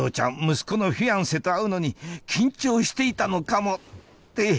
息子のフィアンセと会うのに緊張していたのかも！って